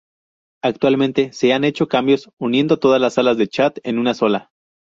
Actualmente se han hecho cambios uniendo todas las salas de chat en una sola.